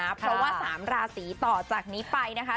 ค่ะเพราะว่าสามราศรีต่อจากนี้ไปนะคะ